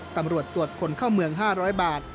ตำรวจตรวจคนเข้าเมือง๕๐๐บาท